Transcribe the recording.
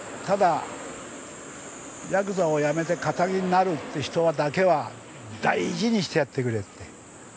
ただヤクザを辞めて堅気になるって人だけは大事にしてやってくれって。